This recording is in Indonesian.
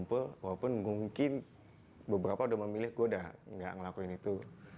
walaupun mungkin beberapa udah memilih goda nggak ngelakuin itu